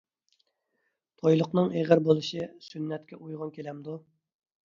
تويلۇقنىڭ ئېغىر بولۇشى سۈننەتكە ئۇيغۇن كېلەمدۇ؟